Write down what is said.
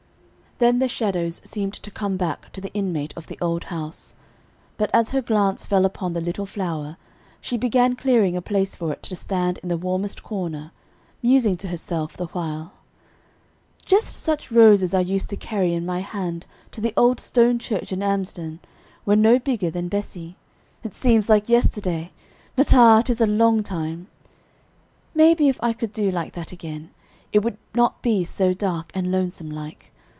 Then the shadows seemed to come back to the inmate of the old house; but as her glance fell upon the little flower, she began clearing a place for it to stand in the warmest corner, musing to herself the while: "Just such roses I used to carry in my hand to the old stone church in Amsden when no bigger than Bessie. It seems like yesterday, but ah! it is a long time. Maybe if I could do like that again, it would not be so dark and lonesome like.